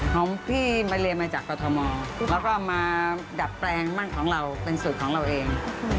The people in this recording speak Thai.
ของพี่มาเรียนมาจากกรทมแล้วก็มาดัดแปลงมั่นของเราเป็นสูตรของเราเอง